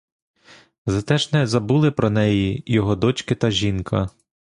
Зате ж не забули про неї його дочки та жінка.